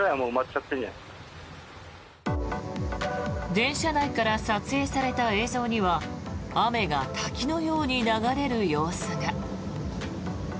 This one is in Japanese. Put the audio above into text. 電車内から撮影された映像には雨が滝のように流れる様子が。